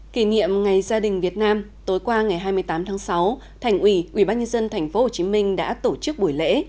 kỷ niệm ngày gia đình việt nam tối qua ngày hai mươi tám tháng sáu thành ủy quỹ bác nhân dân tp hcm đã tổ chức buổi lễ